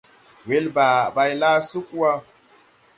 Welba bay laa sug wa.